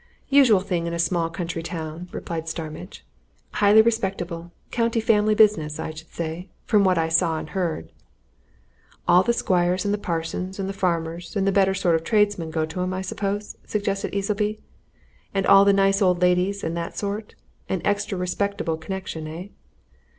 "Usual thing in a small country town," replied Starmidge. "Highly respectable, county family business, I should say, from what I saw and heard." "All the squires, and the parsons, and the farmers, and better sort of tradesmen go to 'em, I suppose?" suggested Easleby. "And all the nice old ladies and that sort an extra respectable connection, eh?"